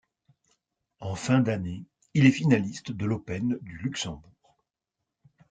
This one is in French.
En fin d'année, il est finaliste de l'Open du Luxembourg.